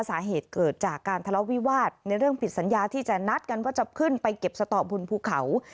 สาเหตุเกิดจากการทะเลาะวิวาสในเรื่องผิดสัญญาที่จะนัดกันว่าจะขึ้นไปเก็บสตอบบนภูเขา